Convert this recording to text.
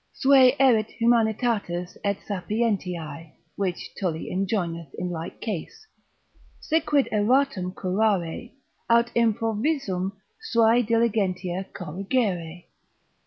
Suae erit humanitatis et sapientiae (which Tully enjoineth in like case) siquid erratum, curare, aut improvisum, sua diligentia corrigere.